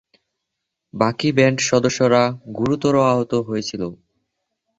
বাকি ব্যান্ড সদস্যরা গুরুতর আহত হয়েছিল।